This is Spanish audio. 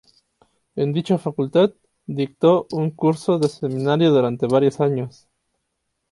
En dicha facultad, dictó un curso de seminario durante varios años.